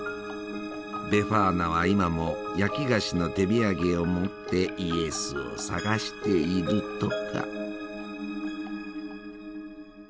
ベファーナは今も焼き菓子の手土産を持ってイエスを捜しているとか。